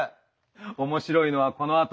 面白いのはこのあと。